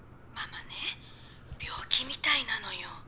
ママね病気みたいなのよ。